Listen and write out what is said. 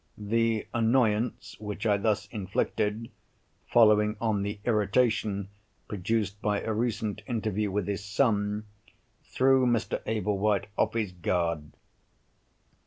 The annoyance which I thus inflicted, following on the irritation produced by a recent interview with his son, threw Mr. Ablewhite off his guard.